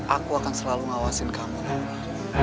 aku akan selalu mengawasi kamu naura